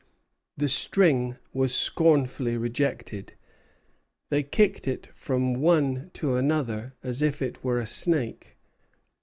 The string was scornfully rejected. "They kicked it from one to another as if it were a snake.